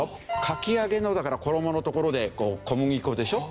かき揚げのだから衣のところで小麦粉でしょ？